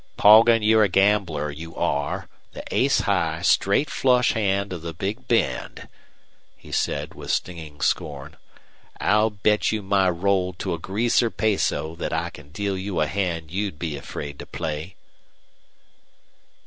"Poggin, you're a gambler, you are the ace high, straight flush hand of the Big Bend," he said, with stinging scorn. "I'll bet you my roll to a greaser peso that I can deal you a hand you'll be afraid to play."